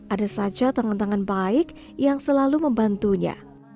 ada saja tangan tangan baik yang selalu membantunya